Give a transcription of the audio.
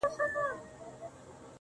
سیاه پوسي ده، اوښکي نڅېږي